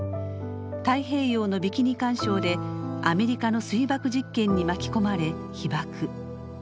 太平洋のビキニ環礁でアメリカの水爆実験に巻き込まれ被ばく。